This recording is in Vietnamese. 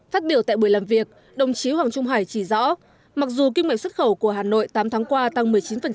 phát biểu tại buổi làm việc đồng chí hoàng trung hải chỉ rõ mặc dù kinh mệnh xuất khẩu của hà nội tám tháng qua tăng một mươi chín